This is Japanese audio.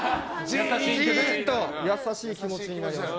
ジーンと優しい気持ちになりました。